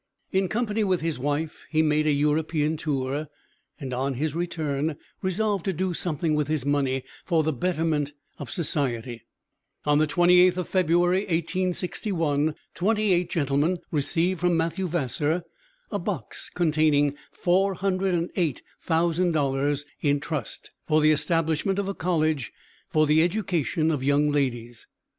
In company with his wife he made an European tour, and on his return resolved to do something with his money for the betterment of society. On the 28th of February, 1861, twenty eight gentlemen received from Mathew Vassar, a box containing $408,000, in trust, for the establishment of a college for the education of young ladies.